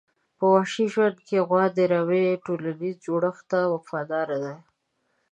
په وحشي ژوند کې غوا د رمي ټولنیز جوړښت ته وفاداره ده.